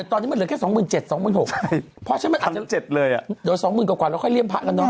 ตอนนี้มันเหลือแค่๒๗๐๐๐๒๖๐๐๐บาทเพราะฉะนั้นมันอาจจะโดย๒๐๐๐๐กว่าแล้วค่อยเลี่ยมพะกันเนาะ